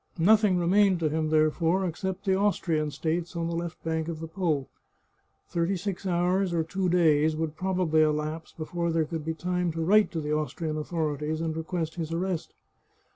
Nothing remained to him, therefore, except the Austrian states on the left bank of the Po. Thirty six hours or two days would probably elapse before there could be time to write to the Austrian authorities and request his arrest.